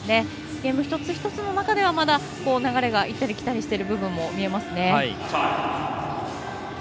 ゲーム、一つ一つの中ではまだ流れが行ったり来たりしている部分も見えますね。